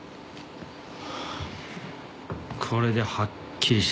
これではっきりした。